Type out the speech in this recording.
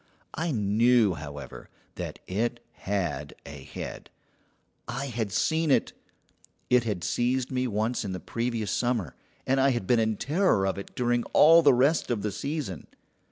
I knew, however, that it had a head. I had seen it; it had seized me once in the previous summer, and I had been in terror of it during all the rest of the season.